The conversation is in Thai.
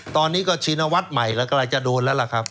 ตอนนี้ก็ชินวัฒน์ใหม่แล้วกำลังจะโดนแล้วล่ะครับ